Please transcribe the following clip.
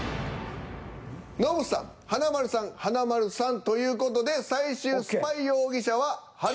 ノブさん華丸さん華丸さんという事で最終スパイ容疑者は。